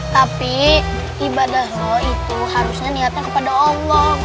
tapi ibadah lo itu harusnya niatnya kepada allah